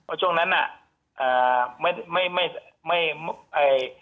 เพราะช่วงนั้นน่ะอ่าไม่ไม่ไม่เอ่อ